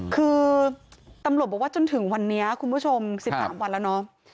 คือตำรวจบอกว่าจนถึงวันนี้คุณผู้ชม๑๓วันแล้วเนาะ